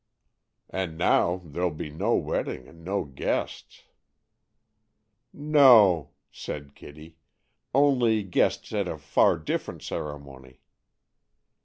"And now there'll be no wedding and no guests." "No," said Kitty; "only guests at a far different ceremony."